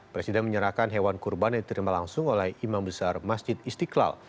presiden menyerahkan hewan kurban yang diterima langsung oleh imam besar masjid istiqlal